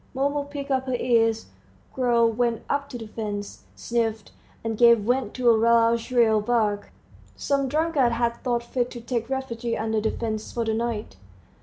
Mumu pricked up her ears, growled went up to the fence, sniffed, and gave vent to a loud shrill bark. Some drunkard had thought fit to take refuge under the fence for the night.